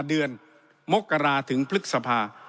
๕เดือนมกราถึงพลึกสภา